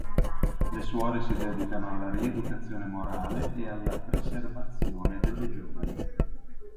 Le suore si dedicano alla rieducazione morale e alla preservazione delle giovani.